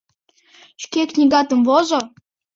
Шке книгатым возо.